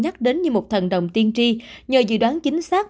nhắc đến như một thần đồng tiên tri nhờ dự đoán chính xác